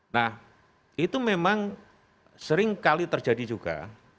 nah itu memang sering kali terjadi juga